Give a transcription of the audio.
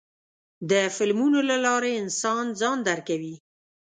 د فلمونو له لارې انسان ځان درکوي.